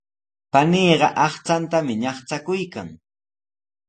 Paniiqa aqchantami ñaqchakuykan.